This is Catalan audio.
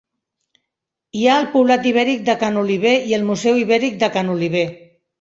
Hi ha el Poblat ibèric de Ca n'Oliver i el Museu Ibèric de Ca n'Oliver.